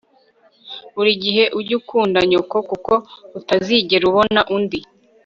buri gihe ujye ukunda nyoko kuko utazigera ubona undi